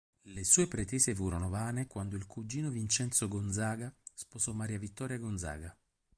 Le sue pretese furono vane quando il cugino Vincenzo Gonzaga sposò Maria Vittoria Gonzaga.